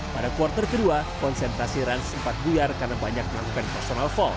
pada quarter ke dua konsentrasi rans sempat buyar karena banyak melakukan personal fouls